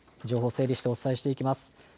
情報を整理してお伝えしていきます。